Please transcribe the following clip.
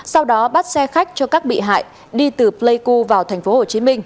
sau đó bắt xe khách cho các bị hại đi từ pleiku vào tp hcm